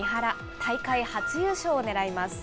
大会初優勝を狙います。